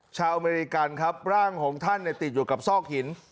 อเมริกันครับร่างของท่านติดอยู่กับซอกหิน